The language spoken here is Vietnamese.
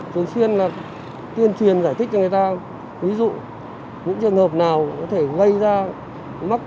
thường xuyên là tuyên truyền giải thích cho người ta ví dụ những trường hợp nào có thể gây ra mắc